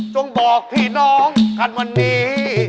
จงบอกพี่น้องคราวนี้